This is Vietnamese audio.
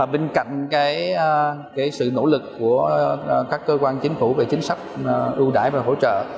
bên cạnh sự nỗ lực của các cơ quan chính phủ về chính sách ưu đại và hỗ trợ